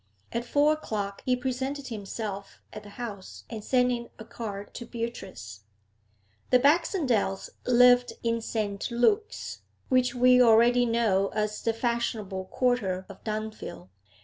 At four o'clock he presented himself at the house, and sent in a card to Beatrice. The Baxendales lived in St. Luke's, which we already know as the fashionable quarter of Dunfield.